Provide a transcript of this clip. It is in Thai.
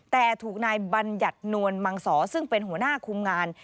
แต่ถูกนายบัญญัตินวลมังสอซึ่งเป็นหัวหน้าคุมงาน